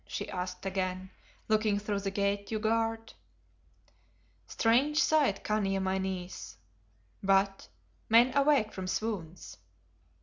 she asked again, "looking through the Gate you guard?" "Strange sight, Khania, my niece. But men awake from swoons."